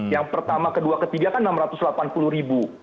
yang pertama kedua ketiga kan enam ratus delapan puluh ribu